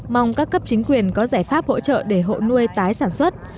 mong các cấp chính quyền có giải pháp hỗ trợ để hộ nuôi tái sản xuất